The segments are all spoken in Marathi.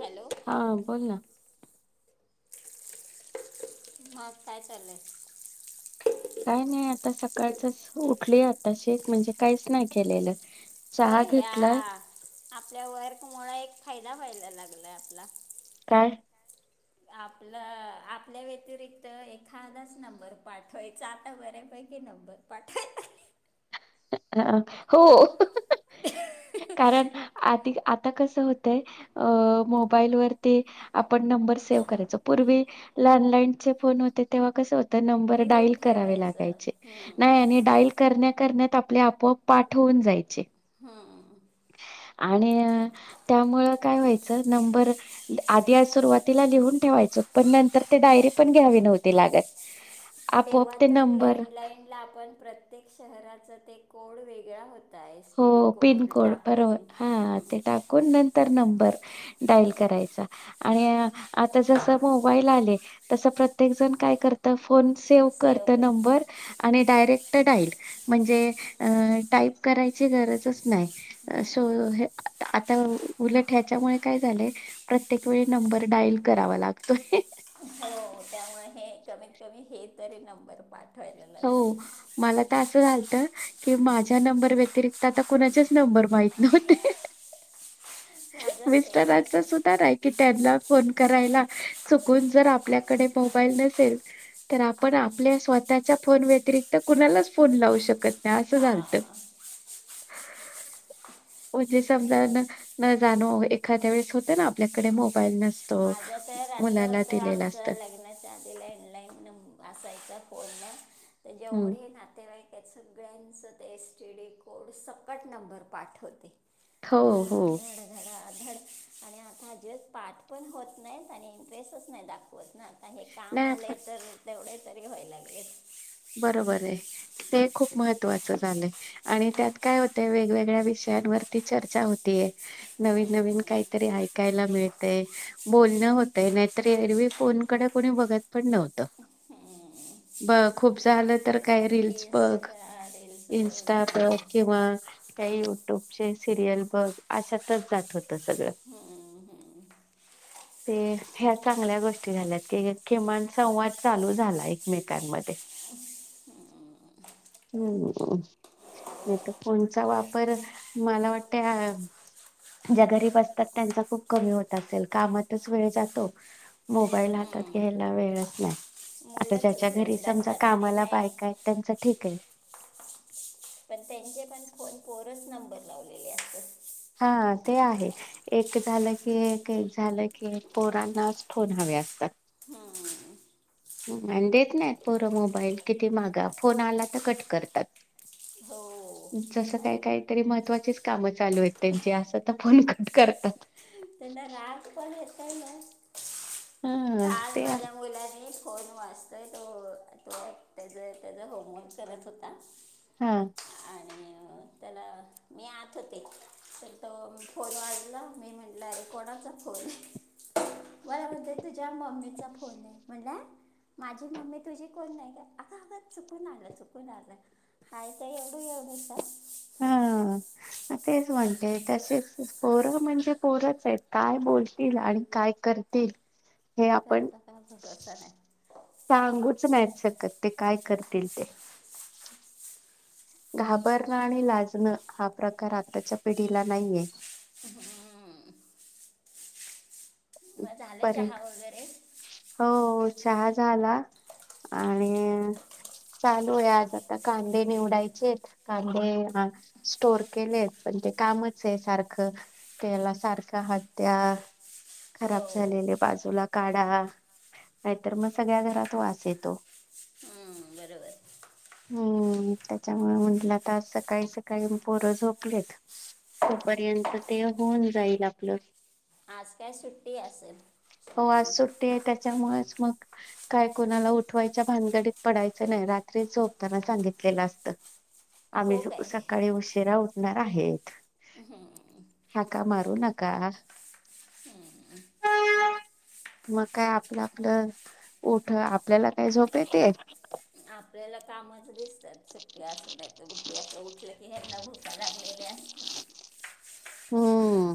हॅलो हा बोल ना मग काय चाललंय? काय नाही आता सकाळचं उठली आताशी म्हणजे काहीच नाही केलेलं. होय चहा या घेतलाय आपल्या वर्क मुळे एक फायदा व्हायला लागलाय आपला काय आपलं आपल्या व्यतिरिक्त एखादाच नंबर पाठवायचा आता बऱ्यापैकी नंबर पाठवायचा ह हो. कारण आद आता आता कसं होतय मोबाईल वरती आपण नंबर सेव्ह करायचो पूर्वी लँडलाईनचे फोन होते तेव्हा कसं नंबर डाईल लिहून करावे ठेवायचं लागायचे हम्म, नाही आणि डाईल करण्यात करण्यात आपले आपोआप पाठ होवून जायचे. हम्म. आणि त्यामुळे काय व्हायचं नंबर आधी सुरुवातीला लिहून ठेवायचो पण नंतर ते डायरी पण घ्यावी नव्हती लागतं. तेव्हा तर लँडलाईन ला आपण प्रत्य त्येक शहराचं ते कोडं वेगळा हो हो पिनकोड बरोबर हां हां ते टाकून नंतर नंबर. डायल करायचा आणि आता जसं मोबाईल आले तस प्रत्येक जण काय करत फोन सेव सेव्ह करत करता नंबर आणि डायरेक्ट [unintelligible] म्हंजे अ टाईप कराय ची गरजच नाहीं. अ सो हे आता उ उलट ह्याच्यामुळे काय झालंय, प्रत्येक वेळी नंबर डाईल करावा लागतोय. त हे कमीत कमी हे तरी नंबर पाठ हो मला त असं झालत कि माझ्या नंबर व्यतिरिक्त आता कुणाचेच नंबर माहित नव्हते. माझं सेम मिस्टरांचा तसंच सुद्धा नाई की त्यांना फोन करायला चुकून जर आप आपल्याकडे मोबाईल नसेल तर आप आपल्या स्वतः त्याच्या फोन व्यतिरिक्त कुणालाच फोन लावू शकत नाही. असं झालत हां म्हणजे समजा न जाणो एखाद्या वेळेस होत ना आपल्याकडे मोबाईल नस. माझं तर असं होतं आमचं लग्नाच्या आधी लँडलाईन नंब असायचां. [unintelligible] त हं. जेवढे ही नातेवाईक. त्या सगळ्यांच ते एस टी डी कोड सकट नंबर पाठ होते. हो, धडा हो. धड धडा धड आणि आता जस्ट पाठ पण होत नाई. नाहीत आणि इंटरेस्टच नाही दाखवत ना. आता हे काम नाही आलय तर तेवढे तरी व्हाय लागलेत. बरोबर आहे ते खूप महत्त्वाचं झालंय आणि त्यात काय होतय वेगवेगळ्या विषयांवरती चर्चा होतीय. नवीन नवीन हम्म, काहीतरी ऐकायला मिळ बोलणं होत नाहीतर एरवी फोनकडे कोणी बघत पण नव्हत हम्म. ब खूप झालं तर काय रीलस बघ इंस्टा रील्सवर इन्स्टाप हां किंवा काही यूट्यूब सिरियल बघ अशातच जात होत सगळं. हम्म, हम्म. ते ह्या चांगल्या गोष्टी झाल्यात. की किमान संवाद चालू झाला. एकमेकांमध्ये हम् नाही तर फोनचा वापर मला वाटत ज्या गरीब असतात. त्यांचा खूप कमी होत असेल कामातच वेळ जातो मोबाईल हातात घ्यायला वेळच नाही. मुलंच घेऊन बसतात. मला बाय नाही काय त्यांच ठीक आहे. पण त्यांचे पण फोन पोरच नंबर लावलेले असत. हा ते आहे. एक झालं की एक एक झालं की एक पोरांनाच फोन हवे असतात. आणि देत नाही परं मोबाईल किती मागा फोन आला तर कट करतात. हो जसं काही काहीतरी महत्त्वाचीच कामं चालू आहेत त्यांची असं तर फोन कट करतात. त्यांना राग पण काना हम् ते मुलाने फोन वाजतोय तो तो त्याच त्याचा होमवर्क करत होता. हा. आणि त्याला मी आत होते तर तो फोन वाजला मी म्हण कोणाचा फोन आहे मला म्हणतोय त्या मम्मीचा फोन हाय म्हणला. माझी मम्मी तुझी कोण नाही का आग आग चुकून आलं. चुकून आलं हाय तर एवढू एवढू सा हा तेच म्हणते तसेच पोरं म्हणजे पोरंच आहे काय बोलतील आणि काय करतील हे आपण त्यांचा काय भरोसा नाही सांगूच नाहीत शकत. ते काय कर तील ते घाबरणं आणि लाजणं हा प्रकार आताच्या पिढीला नाहीये. मग झालं परी चहा वगैरे हो चहा झाला आणि चालू आहे. आज आता कांदे निवडायचे आहेत. कांदे स्टोर केलेत पण ते कामच आहे सारखं त्याला सारखं ह्या हो खराब झालेले बाजूला काढा नाहीतर मग सगळ्या घरात वास येतो. हम्म, बरोबर हम् त्याच्यामुळे म्हटलं आता सकाळी सकाळी पोरं झोपलेत तोपर्यंत ते होऊन जाईल आपलं आज काय सुट्टी असल हो आज सगळ्यांना सुट्टी आहे त्याच्यामुळेच मग काय कोणाला उठवायच्या भानगडीत पडायचं नाही. रात्री झोपताना सांगितलेलं असत. आम्ही हो काय सकाळी उशिरा उठणार आहेत. हाका मारू नका. मग काय आपलं आपलं उठ आपल्याला काय झोप येते? आपल्याला कामच दिसतात सुट्टी असूनच गुट्टी अस उठलं की यांना भूका लागलेले असतात. हम्म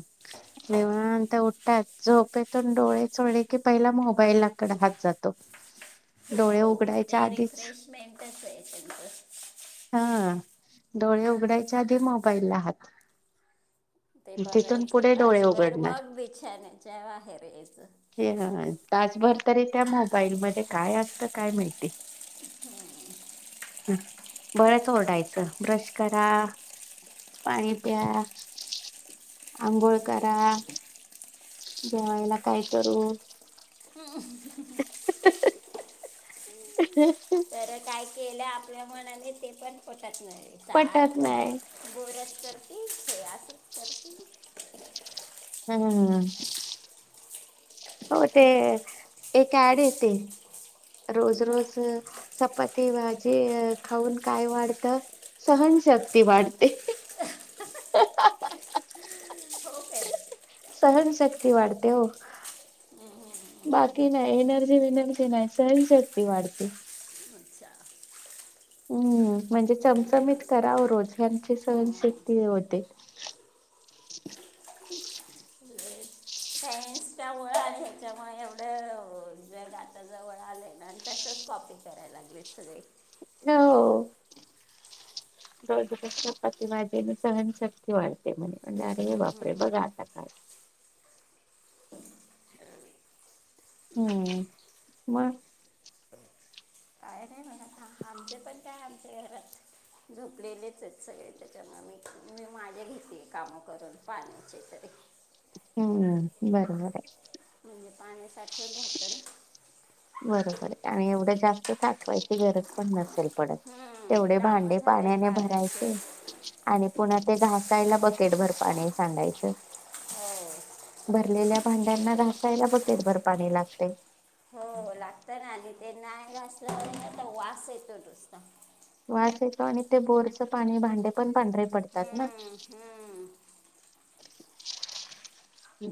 देव ते उठतात झोपेतून डोळे चोळले की पहिला मोबाईल लाकड हात जातो असतात डोळे हो हो उघडाय रिफ्रेशमेंटच आहे. [inaudible] हा डोळे उघडायच्या आधी मोबाईलला हात ते तिथून बघायचं पुढे डोळे तासभर उघडणार. मग बिछाण्याच्या बाहेर यायचं. हे तासभर तरी त्या मोबाईल मध्ये काय असतं काय माहिती बरंच ओरडायचं ब्रश करा, पाणी पिया, आंघोळ करा. जेवायला काय करू? ह बरं काय केलं आप आपल्या मनाने ते पण प त नाही पटत सारखं नाही. गोऱ्यास करती ते असच करती. हम ह हो ते एक ऍड येते. रोज-रोज चपाती-भाजी खाऊन काय वाढते? सहनशक्ती वाढते. हो काय सहनशक्ती वाढते हो. बाकी नाही एनर्जी विनर्जी नाही, सहनशक्ती वाढते. अच्छा हम्म! म्हणजे चमचमीत करावं रोज ह्यांनची हां सहनशक्ती हे होते. इस्टामुळे आणि हच्यामुळे एवढं ज डाटाजवळ आलंय ना आणि तसच कॉपी करायला लागलेत सगळे हो. रोज रोज चपाती-भाजीन सहनशक्ती वाढते म्हणे म्हण अरे बापरे बघा आता काय. हम्म. मग? काय नाही म्हणत हा आमचे पण काय आमच्या घरात झोपलेलेच हेत सगळे. त्याच्यामुळं मी-मी माजे घेते कामं करून पाण्याचे तरी हम्म! बरबर हाय. म्हणजे पाणी साठवून राहतं ना बरोबर हाय आणि एवढं जास्त साठवायची गरज पण नसेल पडत. हम्म, तेवढे कामं भांडे झाले पाण्याने पाण्याचे भरायचे आणि पुन्हा ते घास [inaudible] [inaudible] पाणी सांडायचं हो भरलेल्या भांड्यांना घासायला बकेटभर पाणी लागतंय. हो लागतंय ना आली ते नाय घासलं कि न वास येतो नुसता वास येतो आणि ते बोरचं पाणी भांडे पण पांढरे पड तात ना? हम्म, हम्म.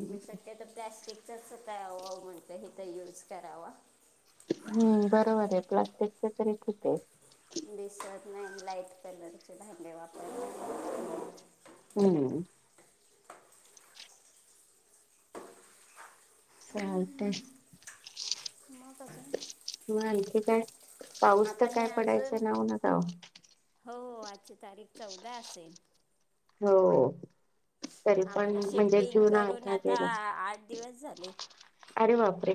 मी शक्य तो प्लॅस्टिक त्याचं काय अहो अहो म्हणतोय हेथ यूज करावा हम्म! बरोबर हाय प्लास्टिकचं तरी किती हाय? बी शर्ट नाही लाईट पलंरची भांडे वापरायचे प हम्म! चालतंय मग अजून म आणखी काय? पाऊस तर आता मी काय पडायचं अजून नाव नव्हतं आव हो आजची तारीख चौदा असेल हो. तरी पण आम्हाला म्हणजे शिफ्टिंग जून करून आयता आता गेला. आठ दिवस झाले अरे बापरे!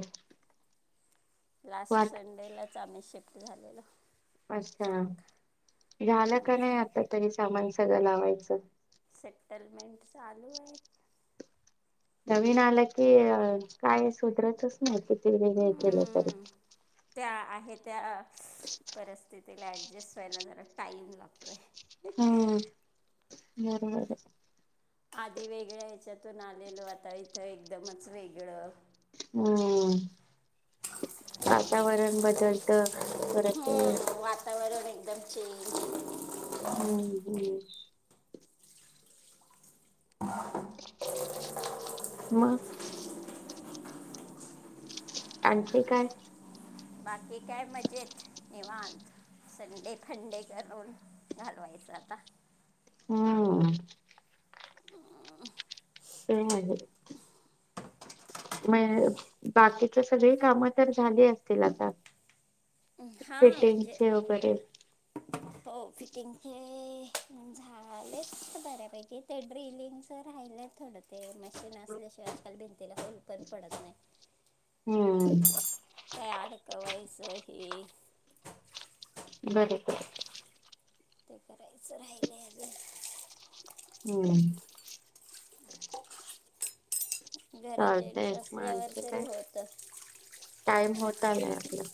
लास्ट वाट संडेला. आमही शिफ्ट झालेलो अच्छा झालं का नाही आता तरी सामान सगळं लावायचं टलमेंट चालू आहेत नवीन आलं की काय सुधरतचत ह क तयकला सर हम्म, त्या आहे त्या परिस्थिती तला ऍडजस्ट व्हायला जरा टाईम लागतोय बरोंबर आधी वेगळ्या ह्याच्यातून आलेलो आता इथं एकदमच वेगळं हम् वातावरण बदलत परत एकदमचे हम् ब ह मग आंटी काय बाकी काय मजेत निवत संडे फंडे करून घालवायच आता हम आ ते आहे म बाकीच सगळी कामं तर झाली असतील आता ् हा म्हणजे फिटिंगचे वगैरे हो फिटिंग ते झालंच बऱ्यापैकी ते ड्रिलिंगचं राहिलं थोडं ते मशीन असल्याशिवायजकाल भिंतीला पल पण पडत नाही हम्म ॅर क वैसही बर बर ते कई सराईलाजे हम्म घरात जेंट्स चालतय मा असल्यावर आणखी तरी काय होतं टाईम होता नाही आपला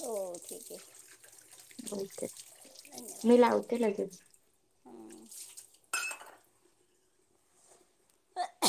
हो ठीक आहे ओके मी लावते लगेच धन्यवाद हं.